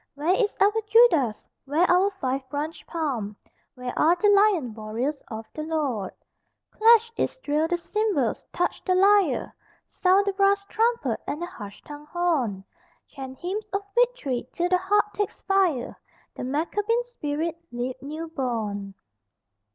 Where is our Judas? Where our five branched palm? Where are the lion warriors of the Lord? Clash, Israel, the cymbals, touch the lyre, Sound the brass trumpet and the harsh tongued horn, Chant hymns of victory till the heart take fire, The Maccabean spirit leap new born!